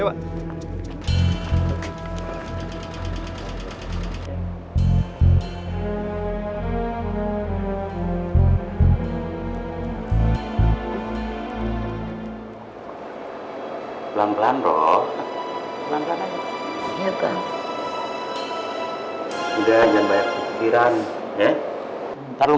hai pelan pelan roll roll roll ya kak udah jangan bayar kekiran eh taruh